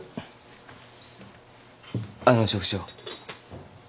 あの職長